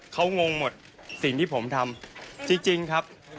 เขางงหมดสิ่งที่ผมทำจริงครับ